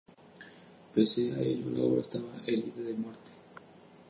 Pese a ello, la obra estaba herida de muerte.